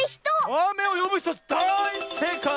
あめをよぶひとだいせいかい！